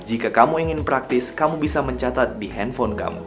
jika kamu ingin praktis kamu bisa mencatat di handphone kamu